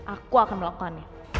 aku akan melakukannya